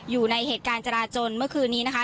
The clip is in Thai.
อยู่ในเหตุการณ์จราจนเมื่อคืนนี้นะคะ